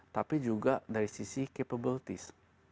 tapi juga dari sisi capabiltis